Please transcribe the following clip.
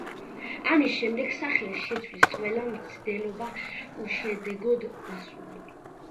ამის შემდეგ, სახელის შეცვლის ყველა მცდელობა უშედეგოდ დასრულდა.